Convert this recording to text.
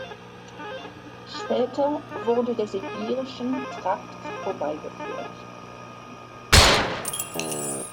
Später wurde der Sibirischen Trakt vorbeigeführt.